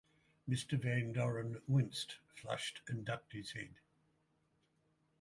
Mr. Van Doren winced, flushed, and ducked his head.